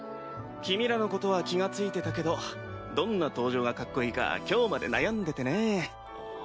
君らのことは気が付いてたけどどんな登場がかっこいいか今日まで悩んでてね。